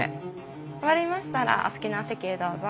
終わりましたらお好きなお席へどうぞ。